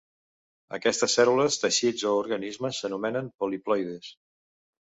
Aquestes cèl·lules, teixits o organismes s'anomenen poliploides.